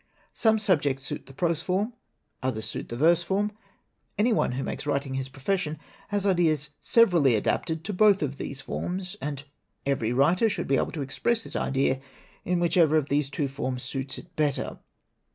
Some subjects suit the prose form, others suit the verse form. Any one who makes writing his profession has ideas severally adapted to both of these forms. And every writer should be able to express his idea in whichever of these two forms suits it better.